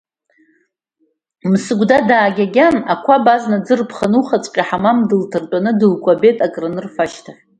Мсыгәда даагьагьан ақәаб азна аӡы рԥханы аухаҵәҟьа аҳамам дылҭартәаны дылкәабеит, акранырфа ашьҭахь.